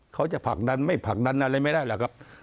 เขาจะผลักดันไม่ผลักดันอะไรไม่ได้หรอกครับ